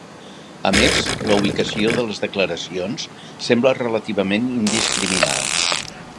A més, la ubicació de les declaracions sembla relativament indiscriminada.